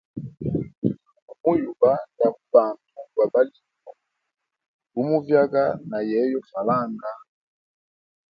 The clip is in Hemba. Mu yuba lya mubandu gwa balimi, gu muvyaga na yeyo falanga.